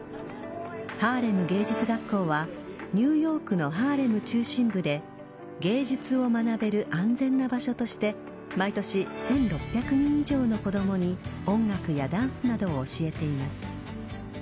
ハーレム芸術学校はニューヨークのハーレム中心部で芸術を学べる安全な場所として毎年１６００人以上の子供に音楽やダンスなどを教えています。